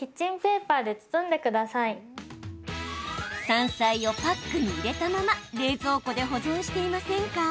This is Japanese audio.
山菜をパックに入れたまま冷蔵庫で保存していませんか？